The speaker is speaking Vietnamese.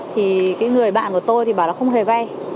thì cái người bạn của tôi thì bảo là không hề vay